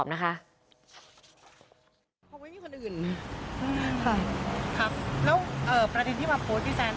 เขาไม่มีคนอื่นแล้วประเด็นที่มาโพสต์ดิแซน